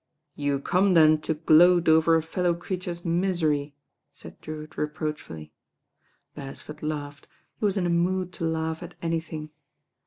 *' "You come then to gloat over a fellow creature*s misery," said Drewitt reproachfully. Beresford laughed, he was in a mood to laugh at anything.